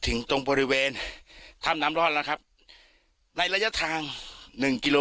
ถึงตรงบริเวณถ้ำน้ำรอดแล้วครับในระยะทางหนึ่งกิโล